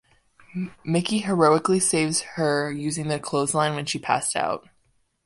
Mickey heroically saves her using the clothesline when she passed out.